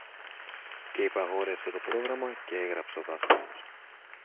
Και υπαγόρευσε το πρόγραμμα, κι έγραψε ο δάσκαλος